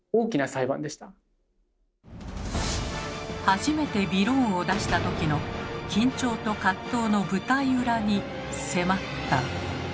初めてびろーんを出した時の緊張と葛藤の舞台裏に迫った。